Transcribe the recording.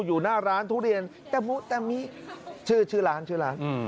อยู่หน้าร้านทุเรียนตะมุตะมิชื่อชื่อร้านชื่อร้าน